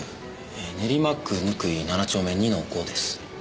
練馬区貫井７丁目２の５です。